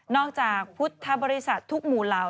จากพุทธบริษัททุกหมู่เหล่า